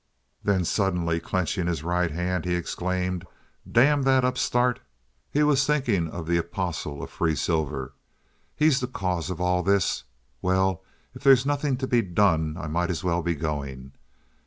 Then, suddenly clenching his right hand, he exclaimed, "Damn that upstart!" (He was thinking of the "Apostle of Free Silver.") "He's the cause of all this. Well, if there's nothing to be done I might as well be going.